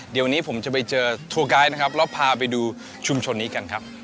เดี๋ยววันนี้ผมจะไปเจอทัวร์ไกด์นะครับแล้วพาไปดูชุมชนนี้กันครับ